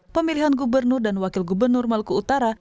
pemilihan gubernur dan wakil gubernur maluku utara